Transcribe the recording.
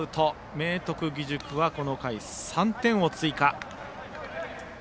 明徳義塾はこの回、３点を追加。